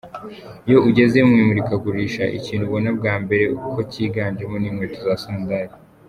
Iyo ugeze mu imurikagurisha, ikintu ubona bwa mbere ko kiganjemo ni inkweto za sandari.